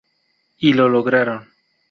Y lo lograron.